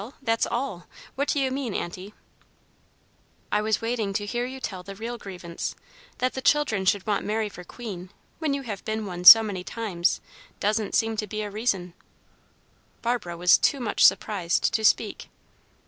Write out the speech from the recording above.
That's all. What do you mean, Aunty?" "I was waiting to hear you tell the real grievance. That the children should want Mary for queen, when you have been one so many times, doesn't seem to be a reason." Barbara was too much surprised to speak.